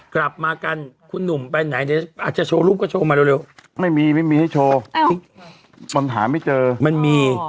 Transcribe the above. กลับมากันคุณหนุ่มไปไหนน่ะอาจจะโชว์รูปก็โชว์มาเร็วเร็วไม่มีไม่มีให้โชว์เจอไม่มี